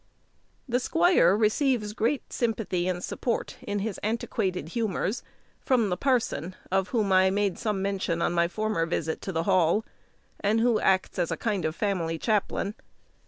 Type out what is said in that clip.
The squire receives great sympathy and support in his antiquated humours from the parson, of whom I made some mention on my former visit to the Hall, and who acts as a kind of family chaplain.